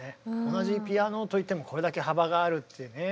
同じピアノといってもこれだけ幅があるってねえ。